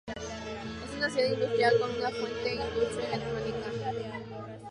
Es una ciudad industrial con una fuerte industria electrónica.